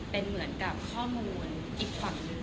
เป็นเหมือนกับข้อมูลอีกฝั่งหนึ่ง